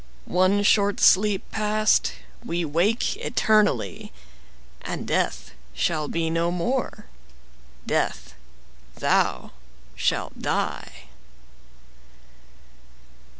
One short sleep past, we wake eternally, And Death shall be no more: Death, thou shalt die!